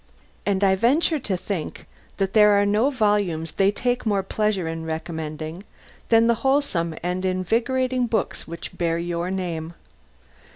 And I venture to think that there are no volumes they take more pleasure in recommending than the wholesome and invigorating books which bear your name.